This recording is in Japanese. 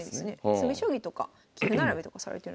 詰将棋とか棋譜並べとかされてるんですかね。